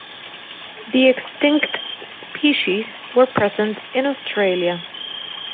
The extinct species were present in Australia.